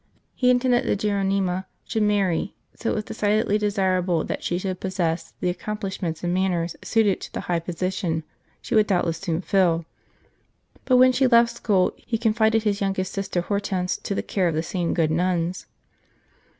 He intended that Geronima should marry, so it was decidedly desirable that she should possess the accomplish ments and manners suited to the high position she would doubtless soon fill ; but when she left school, he confided his youngest sister Hortense to the care of the same good nuns.